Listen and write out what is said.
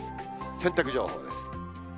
洗濯情報です。